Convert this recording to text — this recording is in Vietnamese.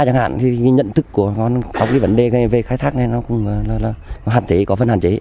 chẳng hạn nhận thức của con có cái vấn đề về khai thác này nó cũng là hạn chế có phần hạn chế